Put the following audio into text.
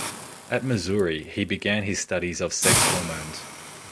At Missouri, he began his studies of sex hormones.